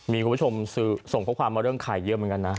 มีคุณผู้ชมส่งข้อความมาเรื่องขายเยอะเหมือนกันนะ